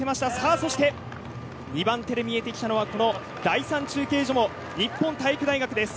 そして２番手で見えてきたのは第３中継所も日本体育大学です。